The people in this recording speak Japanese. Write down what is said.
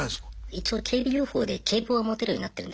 一応警備業法で警棒は持てるようになってるんですよ。